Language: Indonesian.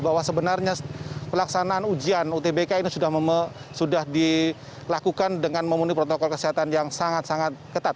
bahwa sebenarnya pelaksanaan ujian utbk ini sudah dilakukan dengan memenuhi protokol kesehatan yang sangat sangat ketat